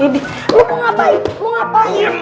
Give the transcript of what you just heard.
lu mau ngapain